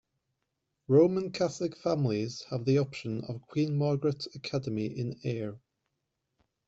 Roman Catholic families have the option of Queen Margaret Academy in Ayr.